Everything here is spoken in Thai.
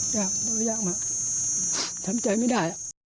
ยากเงินมาทำไมไม่ธ้าย